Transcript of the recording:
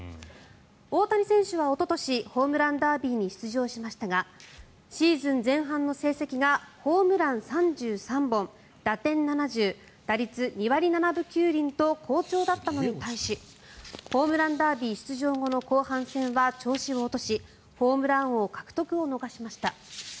大谷選手はおととしホームランダービーに出場しましたがシーズン前半の成績がホームラン３３本打点７０、打率２割７分９厘と好調だったのに対しホームランダービー出場後の後半戦は調子を落としホームラン王獲得を逃しました。